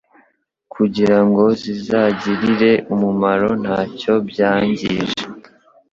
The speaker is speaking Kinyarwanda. kugirango zibagirire umumaro ntacyo byangije.